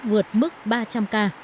vượt mức ba trăm linh ca